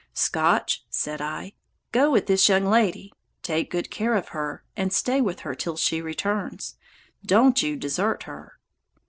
"Scotch," said I, "go with this young lady, take good care of her, and stay with her till she returns. Don't you desert her."